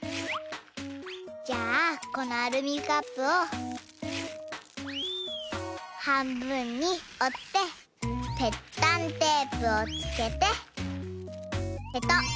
じゃあこのアルミカップをはんぶんにおってペッタンテープをつけてペタッ。